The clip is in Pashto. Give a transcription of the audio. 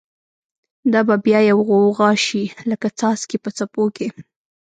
دا به بیا یوه غوغاشی، لکه څاڅکی په څپو کی